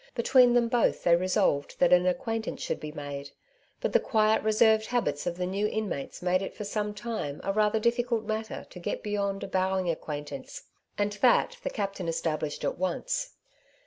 Between them both they resolved 136 " Two Sides to every Question^* tbat an acquaintance should be made, but the quiet, reserved habits of the new inmates made it for some time a rather difficult matter to get beyond a bow ing acquaintance, and that the captain established at once.